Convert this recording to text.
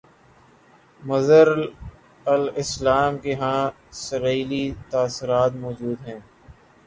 مظہر الاسلام کے ہاں سرئیلی تاثرات موجود ہیں